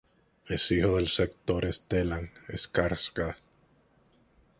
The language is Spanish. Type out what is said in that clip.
Es hijo del actor Stellan Skarsgård.